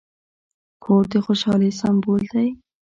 کور د خوشحالۍ سمبول دی.